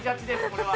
これは。